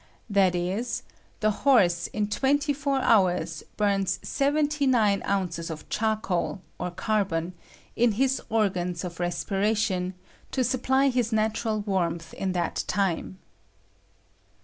That is, the horse in twenty four hours bums seventy nine ounces of charcoal, or carbon, in his organs of respiration to supply his natural warmth in that time.